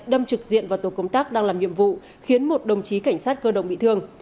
đâm trực diện vào tổ công tác đang làm nhiệm vụ khiến một đồng chí cảnh sát cơ động bị thương